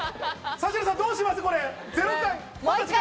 指原さん、どうします？